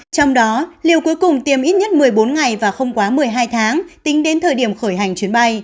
trong đó liều cuối cùng tiêm ít nhất một mươi bốn ngày và không quá một mươi hai tháng tính đến thời điểm khởi hành chuyến bay